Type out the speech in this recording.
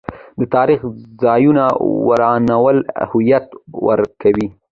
د تاریخي ځایونو ورانول هویت ورکوي.